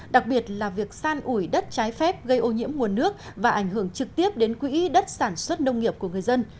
đặc biệt là việc san ủi đất trái phép gây ô nhiễm nguồn nước và ảnh hưởng trực tiếp đến quỹ đất sản xuất nông nghiệp của người dân